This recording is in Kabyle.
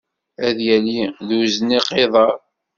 Ad yali d uzniq iḍer.